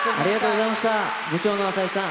部長の朝井さん